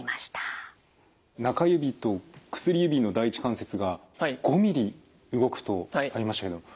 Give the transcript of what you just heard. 中指と薬指の第一関節が５ミリ動くとありましたけど。